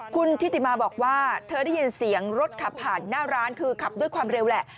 คุณทิติมาบอกว่าเธอได้ยินเสียงรถขับผ่านหน้าร้านคือขับด้วยความเร็วแหละ